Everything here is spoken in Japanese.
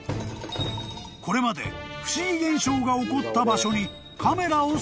これまで不思議現象が起こった場所にカメラを設置］